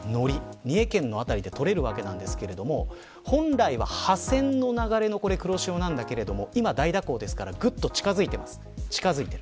三重県の辺りでとれますが本来は破線の流れの黒潮だけれど今、大蛇行ですからぐっと近づいています。